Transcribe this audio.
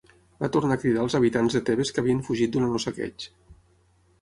Va tornar a cridar els habitants de Tebes que havien fugit durant el saqueig.